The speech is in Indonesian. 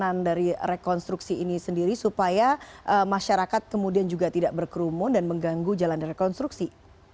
bagaimana dari rekonstruksi ini sendiri supaya masyarakat kemudian juga tidak berkerumun dan mengganggu jalan rekonstruksi